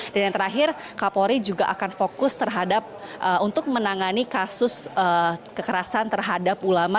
dan yang terakhir kak polri juga akan fokus untuk menangani kasus kekerasan terhadap ulama